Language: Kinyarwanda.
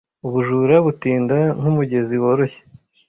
Ubujura butinda nkumugezi woroshye